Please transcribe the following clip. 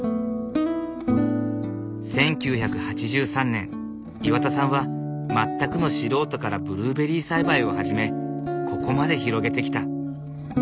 １９８３年岩田さんは全くの素人からブルーベリー栽培を始めここまで広げてきた。